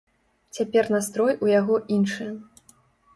Цяпер настрой у яго іншы.